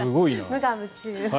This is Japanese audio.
無我夢中。